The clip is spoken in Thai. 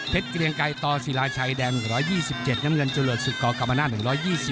เพชรเกลียงไก่ต่อศิลาชัยแดง๑๒๗น้ำเงินจุลหลวดศุกรกรมนาศ๑๒๙